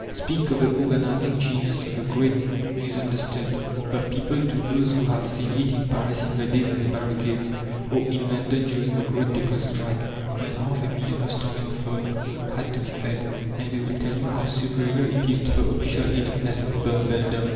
Speak of the organizing genius of the "Great Misunderstood," the people, to those who have seen it in Paris in the days of the barricades, or in London during the great dockers' strike, when half a million of starving folk had to be fed, and they will tell you how superior it is to the official ineptness of Bumbledom.